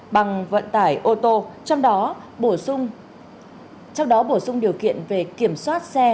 bằng vận tải ô tô trong đó bổ sung điều kiện về kiểm soát xe